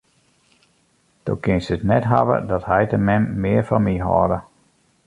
Do kinst it net hawwe dat heit en mem mear fan my hâlde.